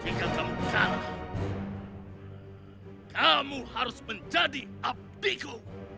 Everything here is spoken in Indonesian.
jika kamu kalah kamu harus menjadi abdiku